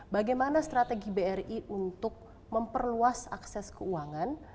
bagaimana strategi bri untuk memperluas akses keuangan